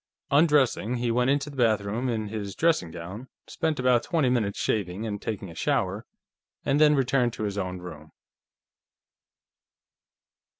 Undressing, he went into the bathroom in his dressing gown, spent about twenty minutes shaving and taking a shower, and then returned to his own room.